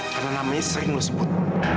karena namanya sering lo sebut